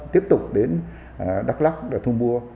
tiếp tục đến đắk lắk và thu mua